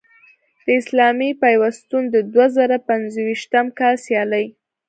د اسلامي پیوستون د دوه زره پنځویشتم کال سیالۍ